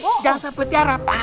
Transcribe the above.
jangan sampai tiara